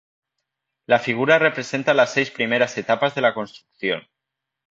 La figura representa las seis primeras etapas de la construcción.